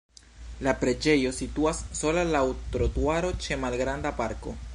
La preĝejo situas sola laŭ trotuaro ĉe malgranda parko.